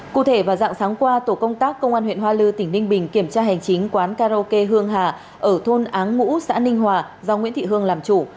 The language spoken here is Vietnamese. cụ thể vào dạng sáng qua tổ công tác công an huyện hoa lư tỉnh ninh bình kiểm tra hành chính quán karaoke hương hà ở thôn áng ngũ xã ninh hòa do nguyễn thị hương làm chủ